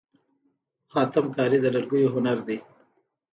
خاتم کاري د لرګیو هنر دی.